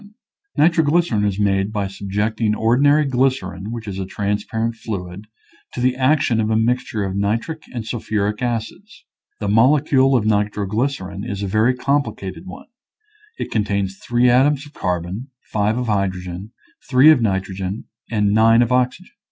Nitroglycerin is made by subjecting or dinary glycerin, which is a transparent fluid, to the action of a mixture of nitric and sul phuric acids. The molecule of nitroglycerin is a very complicated one; it contains three atoms of carbon, five of hydrogen, three of nitrogen, and nine of oxygen.